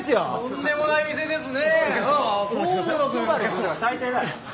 とんでもない店ですね！